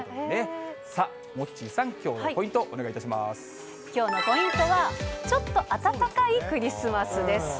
さあ、モッチーさん、きょうきょうのポイントは、ちょっと暖かいクリスマスです。